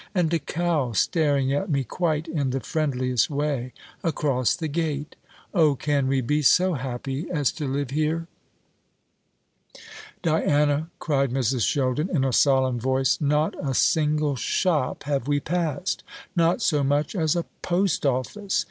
and a cow staring at me quite in the friendliest way across the gate! O, can we be so happy as to live here?" "Diana," cried Mrs. Sheldon, in a solemn voice, "not a single shop have we passed not so much as a post office!